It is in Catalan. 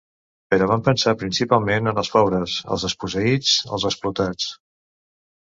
Però vam pensar principalment en els pobres, els desposseïts, els explotats.